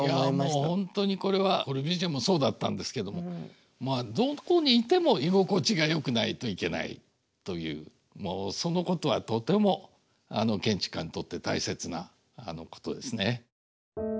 いやもう本当にこれはコルビュジエもそうだったんですけどもまあどこにいても居心地がよくないといけないというもうそのことはとても建築家にとって大切なことですね。